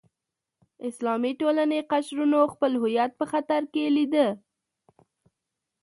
اسلامي ټولنې قشرونو خپل هویت په خطر کې لیده.